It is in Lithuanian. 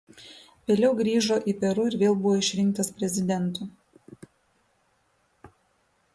Vėliau grįžo į Peru ir vėl buvo išrinktas prezidentu.